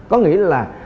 có nghĩa là